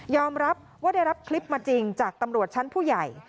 รับว่าได้รับคลิปมาจริงจากตำรวจชั้นผู้ใหญ่